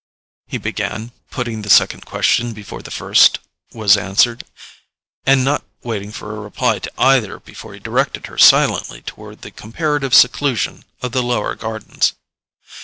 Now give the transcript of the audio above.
he began, putting the second question before the first was answered, and not waiting for a reply to either before he directed her silently toward the comparative seclusion of the lower gardens.